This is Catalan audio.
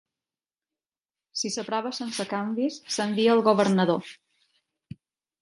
Si s'aprova sense canvis s'envia al governador.